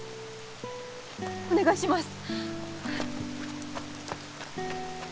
お願いします！